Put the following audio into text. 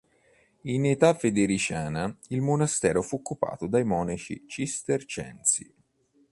In età federiciana il monastero fu occupato dai monaci cistercensi.